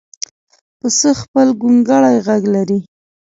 پسه خپل ګونګړی غږ لري.